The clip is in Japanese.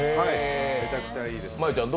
めちゃくちゃいいです。